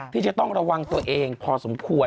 ที่จะต้องระวังตัวเองพอสมควร